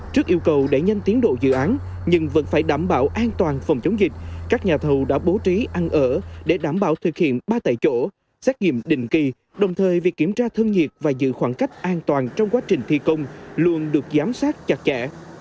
trước yêu cầu để nhanh tiến độ dự án nhưng vẫn phải đảm bảo an toàn phòng chống dịch các nhà thầu đã bố trí ăn ở để đảm bảo thực hiện ba tại chỗ xét nghiệm định kỳ đồng thời việc kiểm tra thân nhiệt và giữ khoảng cách an toàn trong quá trình thi công luôn được giám sát chặt chẽ